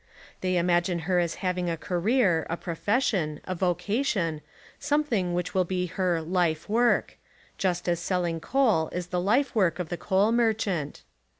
They imagine her as having a ca reer, a profession, a vocation, — something which will be her "life work," — just as selling coal is the life work of the coal merchant.